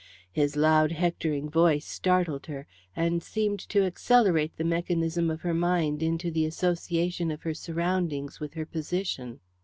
His loud hectoring voice startled her, and seemed to accelerate the mechanism of her mind into the association of her surroundings with her position.